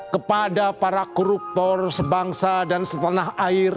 kepada para koruptor sebangsa dan setanah air